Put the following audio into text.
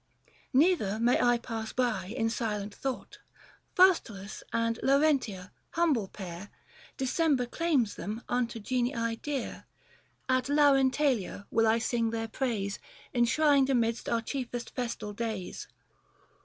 Neither may I pass by in silent thought, (30 Faustulus and Larentia — humble pair ; December .claims them unto G enii dear. At Larentalia will I sing their praise Enshrined amidst our chiefest festal days.